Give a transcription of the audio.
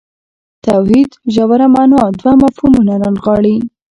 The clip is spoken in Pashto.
توحید ژوره معنا دوه مفهومونه رانغاړي.